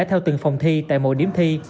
theo từng phòng thi tại mỗi điểm thi